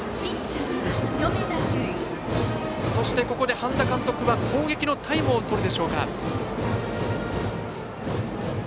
ここで半田監督、攻撃のタイムをとるでしょうか。